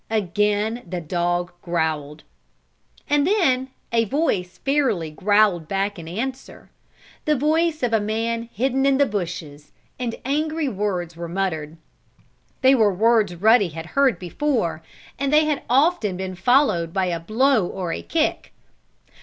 Again the dog growled. And then a voice fairly growled back in answer the voice of a man hidden in the bushes, and angry words were muttered. They were words Ruddy had heard before, and they had often been followed by a blow or a kick.